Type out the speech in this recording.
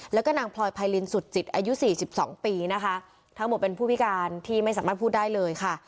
แล้วก็นางพลอยไพรินสุดจิตอายุสี่สิบสองปีนะคะทั้งหมดเป็นผู้พิการที่ไม่สามารถพูดได้เลยค่ะ